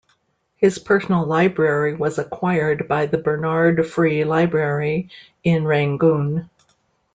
His personal library was acquired by the Bernard Free Library in Rangoon.